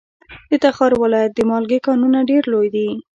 د تخار ولایت د مالګې کانونه ډیر لوی دي.